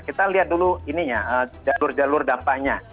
kita lihat dulu ini ya jalur jalur dampaknya